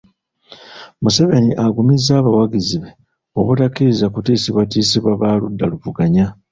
Museveni agumizza abawagizi be obutakkiriza kutiisibwatiisibwa ba ludda luvuganya